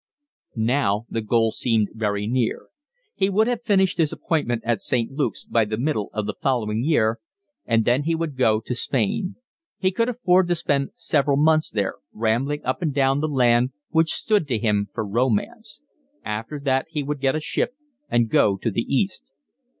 Now the goal seemed very near. He would have finished his appointment at St. Luke's by the middle of the following year, and then he would go to Spain; he could afford to spend several months there, rambling up and down the land which stood to him for romance; after that he would get a ship and go to the East.